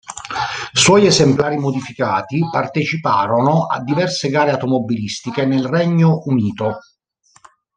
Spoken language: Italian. Suoi esemplari modificati parteciparono a diverse gare automobilistiche nel Regno Unito.